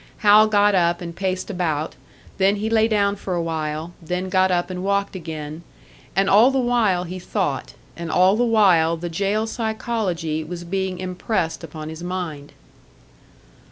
Hal got up and paced about, then he lay down for a while, then got up and walked again; and all the while he thought, and all the while the jail psychology was being impressed upon his mind.